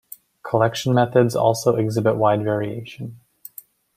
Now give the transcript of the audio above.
Collection methods also exhibit wide variation.